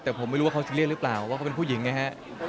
แต่ผมไม่รู้ว่าเขาซีเรียสหรือเปล่าว่าเขาเป็นผู้หญิงไงฮะ